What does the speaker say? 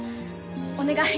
お願い